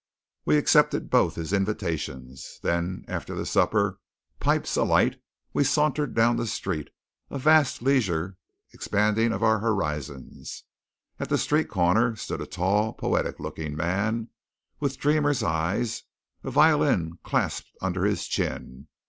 We accepted both his invitations. Then, after the supper, pipes alight, we sauntered down the street, a vast leisure expanding our horizons. At the street corner stood a tall, poetic looking man, with dreamer's eyes, a violin clasped under his chin.